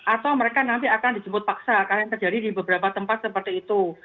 atau mereka nanti akan dijemput paksa karena terjadi di beberapa tempat seperti itu